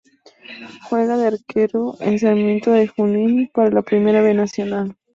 Juega de arquero en Sarmiento de Junín de la Primera B Nacional.